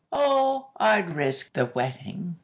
"Oh, I'd risk the wetting.